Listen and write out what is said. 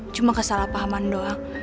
cuma kesalahpahaman doang